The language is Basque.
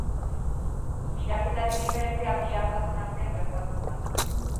Biraketaren diferentzia bi ardatzen artean gertatzen da.